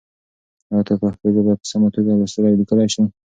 ایا ته پښتو ژبه په سمه توګه لوستلی او لیکلی شې؟